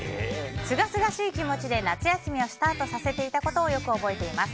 すがすがしい気持ちで夏休みをスタートさせていたことをよく覚えています。